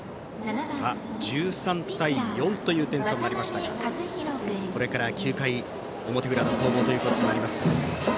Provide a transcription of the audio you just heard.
１３対４という点差になりましたがこれから９回表裏の攻防となります。